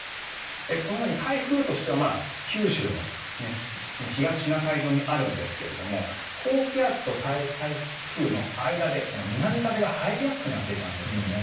このように台風としては九州の東シナ海上にあるんですが高気圧と台風の間で、南風が入りやすくなっていたんですね。